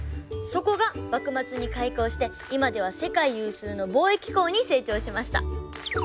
そこが幕末に開港して今では世界有数の貿易港に成長しました。